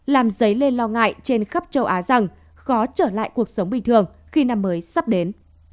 làm dấy lên lo ngại trên khắp châu á rằng khó trở lại cuộc sống bình thường khi năm mới sắp đến